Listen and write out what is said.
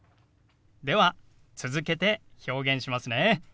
では続けて表現しますね。